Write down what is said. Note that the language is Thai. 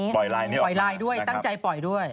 ปล่อยลายนี้ปล่อยไลน์ด้วยตั้งใจปล่อยด้วย